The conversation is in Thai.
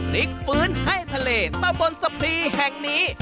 พลิกฟื้นให้ทะเลตำบลสะพรีแห่งนี้